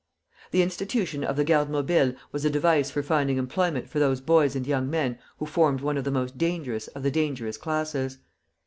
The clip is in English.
The institution of the Garde Mobile was a device for finding employment for those boys and young men who formed one of the most dangerous of the dangerous classes.